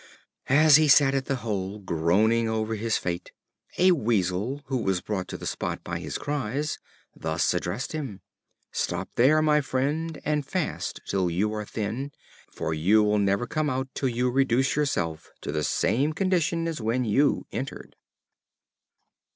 As he sat at the hole groaning over his fate, a Weasel, who was brought to the spot by his cries, thus addressed him: "Stop there, my friend, and fast till you are thin; for you will never come out till you reduce yourself to the same condition as when you entered."